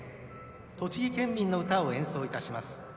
「栃木県民の歌」を演奏いたします。